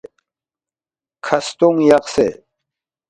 کھستونگ یقسے